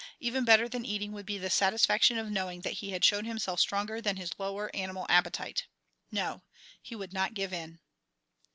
Even better than eating would be the satisfaction of knowing that he had shown himself stronger than his lower animal appetite. No; he would not give in.